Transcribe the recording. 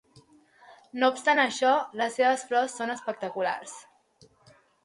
No obstant això, les seves flors són espectaculars.